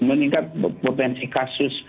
meningkat potensi kasus